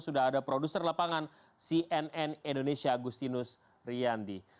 sudah ada produser lapangan cnn indonesia agustinus riyandi